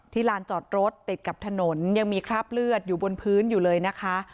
ลานจอดรถติดกับถนนยังมีคราบเลือดอยู่บนพื้นอยู่เลยนะคะ